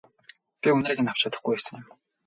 Би үнэрийг авч чадахгүй байсан юм.